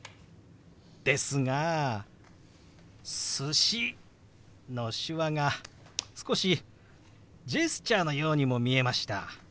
ですが「寿司」の手話が少しジェスチャーのようにも見えました。